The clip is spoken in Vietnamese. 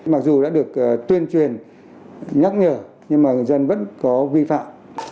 mặc dù đã được tuyên truyền nhắc nhở nhưng mà người dân vẫn có vi phạm